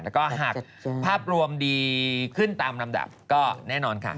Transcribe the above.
แล้วก็หากภาพรวมดีขึ้นตามลำดับก็แน่นอนค่ะ